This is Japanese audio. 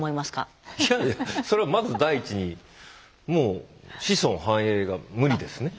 いやいやそれはまず第一にもう子孫繁栄が無理ですね。